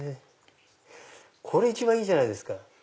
これ一番いいじゃないですか。